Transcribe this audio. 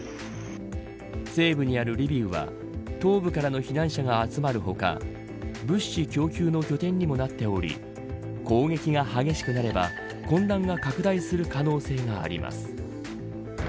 西部にあるリビウは東部からの避難者が集まる他物資供給の拠点にもなっており攻撃が激しくなれば混乱が拡大する可能性があります。